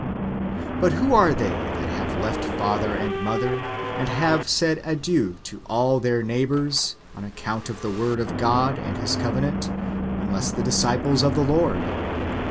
"^ But who are they that have left father and mother, and have said adieu to all their neighbours, on account of the word of God and His covenant, unless the disciples of the Lord